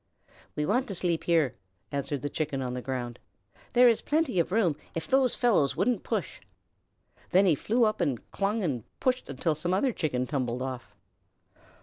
"We want to sleep here," answered the Chicken on the ground. "There is plenty of room if those fellows wouldn't push." Then he flew up and clung and pushed until some other Chicken tumbled off.